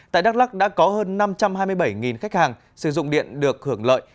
tại đắk lắc đã có hơn năm trăm hai mươi bảy khách hàng sử dụng điện được hưởng lợi